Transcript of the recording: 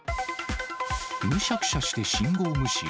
むしゃくしゃして信号無視。